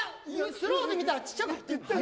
スローで見たら小さく言ってる。